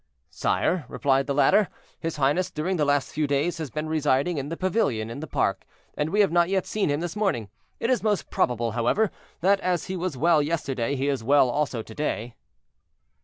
"Sire," replied the latter, "his highness, during the last few days, has been residing in the pavilion in the park, and we have not yet seen him this morning. It is most probable, however, that as he was well yesterday, he is well also to day."